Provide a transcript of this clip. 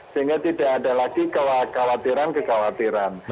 sehingga tidak ada lagi kekhawatiran kekhawatiran